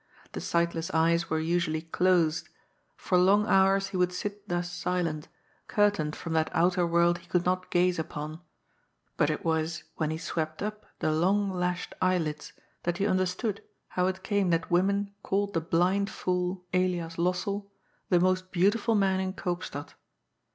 The sightless eyes were usually closed ; for long hours he would sit thus silent, curtained from that outer world he could not gaze upon ; but it was when he swept up the long lashed eyelids that you understood how it came that women called the blind fool, Elias Lossell, the most beautiful man in Koopstad.